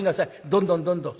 どんどんどんどん。